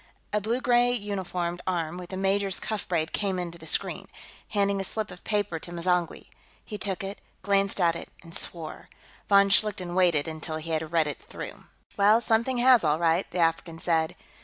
A blue gray uniformed arm, with a major's cuff braid, came into the screen, handing a slip of paper to M'zangwe; he took it, glanced at it, and swore. Von Schlichten waited until he had read it through. "Well, something has, all right," the African said.